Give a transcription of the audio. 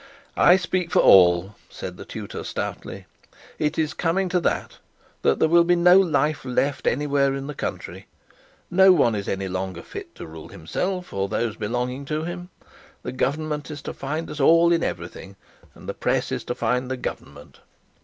'I speak for all,' said the tutor stoutly. 'It is coming to that, that there will be no life left anywhere in the country. No one is any longer fit to rule himself, or those belonging to him. The Government is to find us all in everything, and the press is to find the Government.